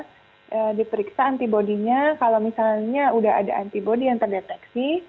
jadi ya diperiksa antibody nya kalau misalnya udah ada antibody yang terdeteksi